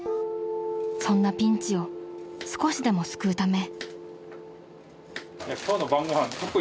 ［そんなピンチを少しでも救うため］